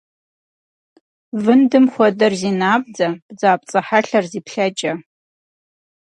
Вындым хуэдэр зи набдзэ, бдзапцӏэ хьэлъэр зи плъэкӏэ.